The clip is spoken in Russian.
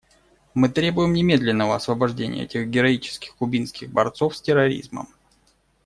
Мы требуем немедленного освобождения этих героических кубинских борцов с терроризмом.